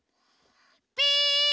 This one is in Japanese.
ピ！